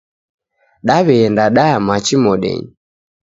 Daw'eenda daya machi modenyi.